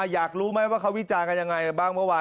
อยากรู้ไหมว่าเขาวิจารณ์กันยังไงบ้างเมื่อวาน